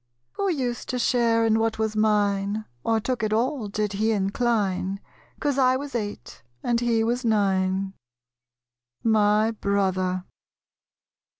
Who used to share in what was mine, Or took it all, did he incline, 'Cause I was eight, and he was nine? My Brother.